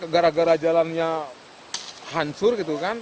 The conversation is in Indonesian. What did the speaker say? gara gara jalannya hancur